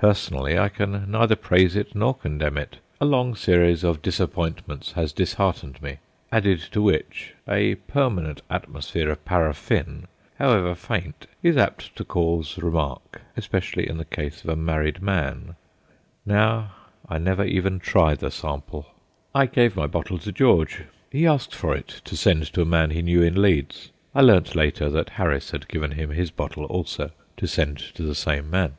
Personally, I can neither praise it nor condemn it. A long series of disappointments has disheartened me; added to which a permanent atmosphere of paraffin, however faint, is apt to cause remark, especially in the case of a married man. Now, I never try even the sample. I gave my bottle to George. He asked for it to send to a man he knew in Leeds. I learnt later that Harris had given him his bottle also, to send to the same man.